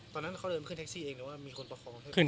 ตอนนั้นเขาเริ่มขึ้นแท็กซี่เองหรือว่ามีคนประคอง